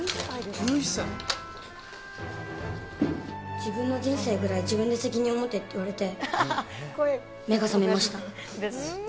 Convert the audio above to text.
自分の人生くらい自分で責任持てって言われて、目が覚めました。